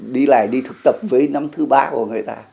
đi lại đi thực tập với năm thứ ba của người ta